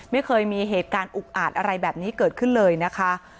ไม่เคยมีเหตุการณ์อุกอาจอะไรแบบนี้เกิดขึ้นเลยนะคะ